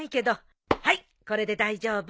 はいこれで大丈夫。